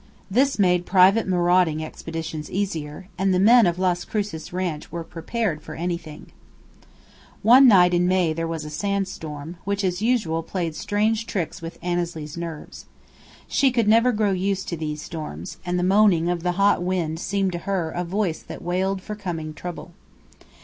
This made private marauding expeditions easier, and the men of Las Cruces Ranch were prepared for anything. One night in May there was a sandstorm, which as usual played strange tricks with Annesley's nerves. She could never grow used to these storms, and the moaning of the hot wind seemed to her a voice that wailed for coming trouble.